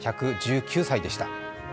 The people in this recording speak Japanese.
１１９歳でした。